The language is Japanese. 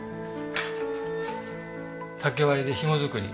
竹割りでヒゴ作り。